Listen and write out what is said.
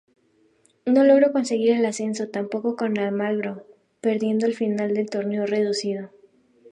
No logró conseguir el ascenso tampoco con Almagro perdiendo la final del torneo reducido.